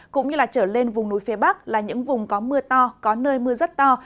cũng như trở lên vùng núi phía bắc là những vùng có mưa to có nơi mưa rất to